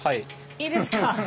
いいですか？